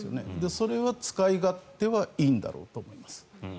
それは使い勝手はいいんだろうと思います。